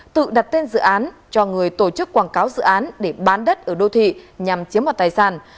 tự đặt tên dự án cho người tổ chức quảng cáo dự án để bán đất ở đô thị nhằm chiếm đoạt tài sản